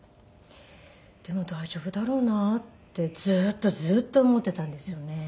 でも大丈夫だろうなってずっとずっと思っていたんですよね。